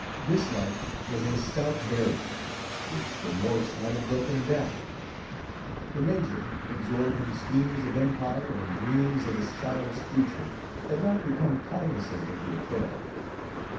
Dislike was a stout barrier, which remorse might have broken down. The major, absorbed in schemes of empire and dreams of his child's future, had not become cognizant of the affair.